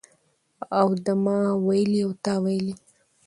او د ما ویلي او تا ویلي